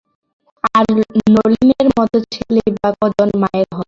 আর নলিনের মতো ছেলেই বা কজন মায়ের হয়?